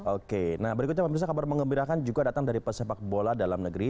oke nah berikutnya pemirsa kabar mengembirakan juga datang dari pesepak bola dalam negeri